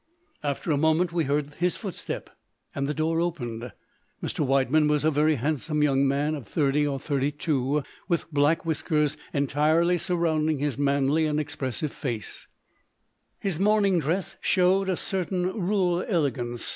After a moment we heard his footstep, and the door opened. Mr. Widemann was a very handsome young man, of thirty or thirty two, with black whiskers entirely surrounding his manly and expressive face; his morning dress showed a certain rural elegance.